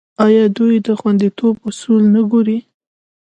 آیا دوی د خوندیتوب اصول نه ګوري؟